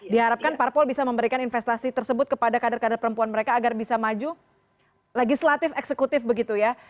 diharapkan parpol bisa memberikan investasi tersebut kepada kader kader perempuan mereka agar bisa maju legislatif eksekutif begitu ya